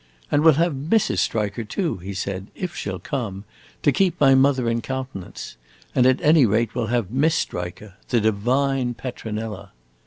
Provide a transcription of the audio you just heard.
"And we 'll have Mrs. Striker, too," he said, "if she 'll come, to keep my mother in countenance; and at any rate we 'll have Miss Striker the divine Petronilla!"